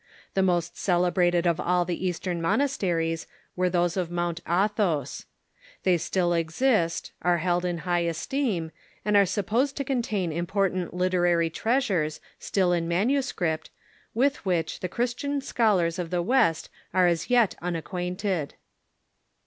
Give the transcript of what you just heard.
The most celebrated of all the Eastern monasteries were those of Mt. Athos. They still exist, are held in high es teem, and are supposed to contain important literary treasures, still in manuscript, with which the Christian scholars of the West are as yet unacquainted.